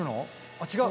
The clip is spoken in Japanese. あっ違う。